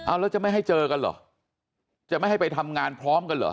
เอาแล้วจะไม่ให้เจอกันเหรอจะไม่ให้ไปทำงานพร้อมกันเหรอ